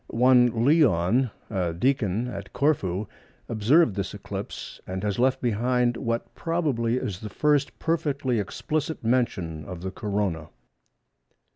One Leon, a deacon at Corfu, observed this eclipse, and has left behind what probably is the first perfectly explicit mention of the Corona.